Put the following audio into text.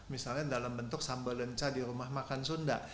misalnya dalam bentuk sambal lenca di rumah makan sunda